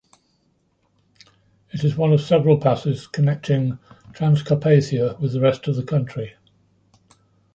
It is one of several passes connecting Transcarpathia with the rest of the country.